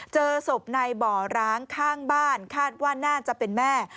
เจอศพในบ่อร้างข้างบ้านคาดว่าน่าจะเป็นแม่